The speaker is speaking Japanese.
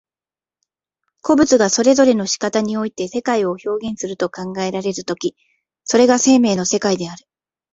個物がそれぞれの仕方において世界を表現すると考えられる時、それが生命の世界である。